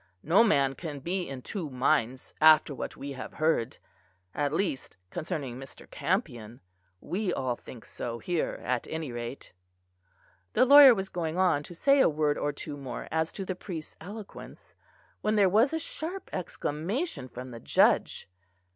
No man can be in two minds after what we have heard; at least concerning Mr. Campion. We all think so, here, at any rate." The lawyer was going on to say a word or two more as to the priest's eloquence, when there was a sharp exclamation from the judge.